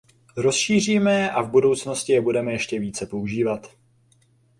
Rozšíříme je a v budoucnosti je budeme ještě více používat.